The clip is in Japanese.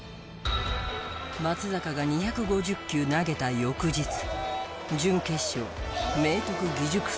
松坂が２５０球投げた翌日準決勝明徳義塾戦。